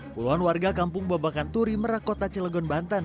puluhan warga kampung babakan turi merak kota cilegon banten